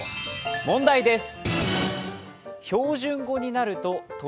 問題です。